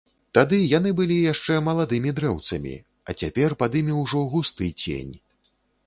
Тады яны былі яшчэ маладымі дрэўцамі, а цяпер пад імі ўжо густы цень.